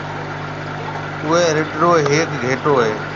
اُوئي رڍ رو هيڪ گھيَََٽو هيَ۔